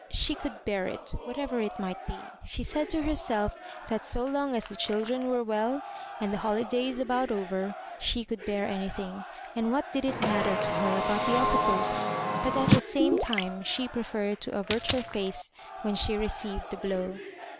She could bear it, whatever it might be. She said to herself that so long as the children were well, and the holi days about over, she could bear anything; and what did it matter to her about the officers ?— but at the same time she preferred to avert her face when she received the blow.